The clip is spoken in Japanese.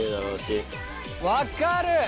分かる！